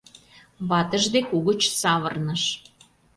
Ватыж дек угыч савырныш